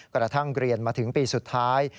กระทั่งเรียนมาถึงปีสุดท้าย